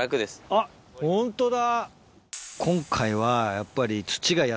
あっホントだ。